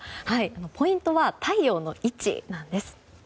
ポイントは太陽の位置なんです。